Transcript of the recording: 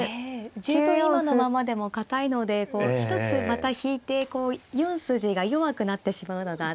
十分今のままでも堅いので一つまた引いて４筋が弱くなってしまうのが。